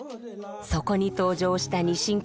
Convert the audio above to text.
そこに登場したにしん